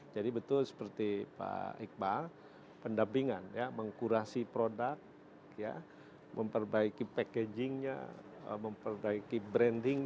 jadi betul seperti pak iqbal pendampingan ya mengkurasi produk ya memperbaiki packagingnya memperbaiki brandingnya